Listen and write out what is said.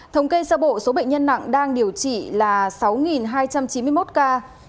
thống kê sơ bộ số bệnh nhân nặng đang điều trị là sáu hai trăm chín mươi một ca